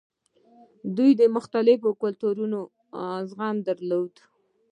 دوی د مختلفو کلتورونو زغم درلود